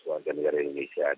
warga negara indonesia di davao